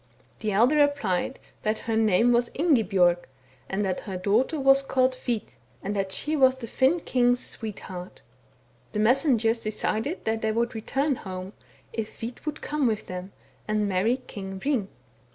The elder replied — that her name was Ingibjorg, and that her daughter was called Hvit, and that she was the Finn king's sweetheart. The messengers decided that they would return home, if Hvit would come with them and marry King Hring.